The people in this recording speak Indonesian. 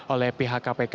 oleh pihak kpk